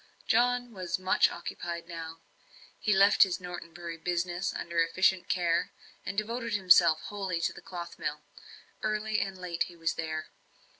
John was much occupied now. He left his Norton Bury business under efficient care, and devoted himself almost wholly to the cloth mill. Early and late he was there.